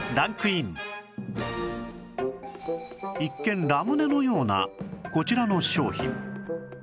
一見ラムネのようなこちらの商品